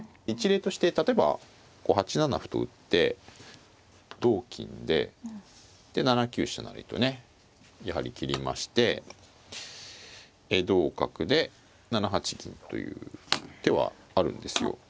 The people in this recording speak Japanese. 一例として例えばこう８七歩と打って同金で７九飛車成とねやはり切りまして同角で７八銀という手はあるんですよ。